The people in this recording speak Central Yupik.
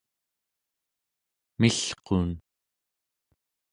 milqun